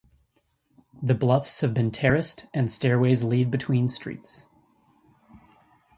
The bluffs have been terraced and stairways lead between streets.